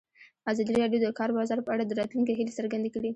ازادي راډیو د د کار بازار په اړه د راتلونکي هیلې څرګندې کړې.